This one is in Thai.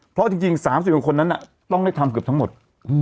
เพราะจริงจริงสามสิบคนคนนั้นน่ะต้องได้ทำเกือบทั้งหมดอืม